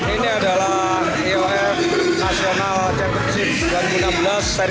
ini adalah iowf national championship dua ribu enam belas seri tiga